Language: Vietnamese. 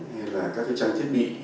hay là các trang thiết bị